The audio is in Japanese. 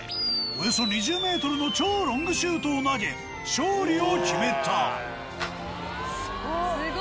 およそ２０ｍの超ロングシュートを投げ勝利を決めた！